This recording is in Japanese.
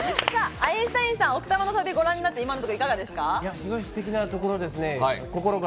アインシュタインさん、奥多摩の旅、ご覧になっていかがですか？